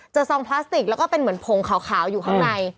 ซองพลาสติกแล้วก็เป็นเหมือนผงขาวอยู่ข้างใน